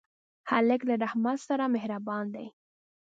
هلک له رحمت سره مهربان دی.